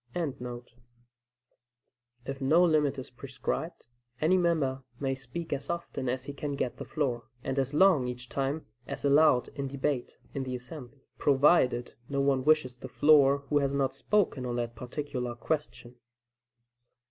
] If no limit is prescribed, any member may speak as often as he can get the floor, and as long each time as allowed in debate in the assembly, provided no one wishes the floor who has not spoken on that particular question.